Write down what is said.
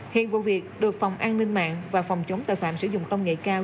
hiện vụ việc được phòng an minh mạng và phòng chống tài phạm sử dụng công nghệ cao